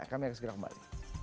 kami akan segera kembali